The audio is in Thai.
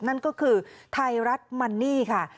นั่นก็คือไทยรัฐมันนี่ค่ะ